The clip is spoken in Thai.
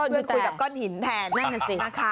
เพื่อนคุยกับก้อนหินแทนนั่นจริง